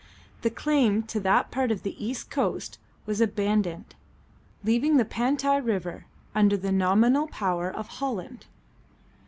The claim to that part of the East Coast was abandoned, leaving the Pantai river under the nominal power of Holland.